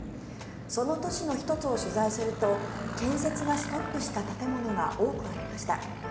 その都市の１つを取材すると建設がストップした建物が多くありました。